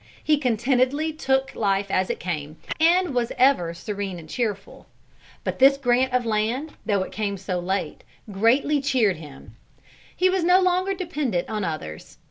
He contentedly took life as it came, and was ever serene and cheerful. But this grant of land, though it came so late, greatly cheered him. He was no longer dependent upon others.